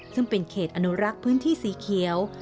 ซึ่งเป็นเขตอนุรักษ์พื้นที่สีเขียว